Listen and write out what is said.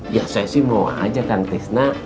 ya saya sih mau aja kan tisna